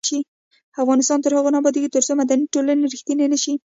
افغانستان تر هغو نه ابادیږي، ترڅو مدني ټولنې ریښتینې نشي.